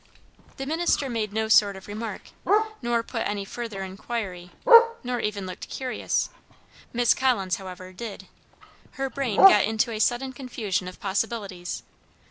The minister made no sort of remark, nor put any further inquiry, nor looked even curious, Miss Collins, however, did. Her brain got into a sudden confusion of possibilities.